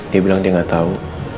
dia bilang dia nggak tahu